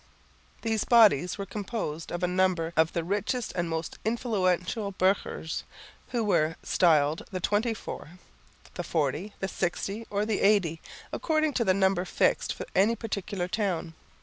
These bodies were composed of a number of the richest and most influential burghers, who were styled the Twenty four, the Forty, the Sixty or the Eighty, according to the number fixed for any particular town.